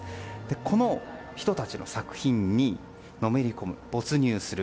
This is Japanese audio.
この人たちの作品にのめり込む、没入する。